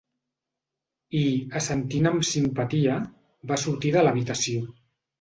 I, assentint amb simpatia, va sortir de l'habitació.